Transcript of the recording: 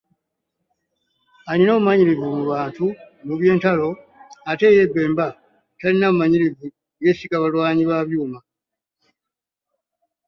Alina obumanyirivu mu by’entalo ate ye Bemba talina bumanyirivu yeesiga balwanyi ba byuma.